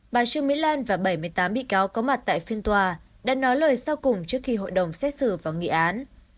bà trương mỹ lan và bảy mươi tám bị cáo có mặt tại phiên tòa đã nói lời sau cùng trước khi hội đồng xét xử và nghị án